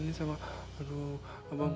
tidak bisa diashi